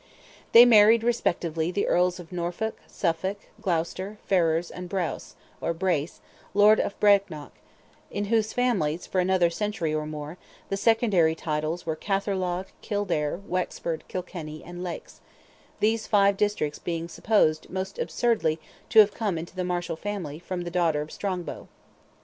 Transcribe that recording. They married respectively the Earls of Norfolk, Suffolk, Gloucester, Ferrers, and Braos, or Brace, Lord of Brecknock, in whose families, for another century or more, the secondary titles were Catherlogh, Kildare, Wexford, Kilkenny, and Leix,—those five districts being supposed, most absurdly, to have come into the Marshal family, from the daughter of Strongbow.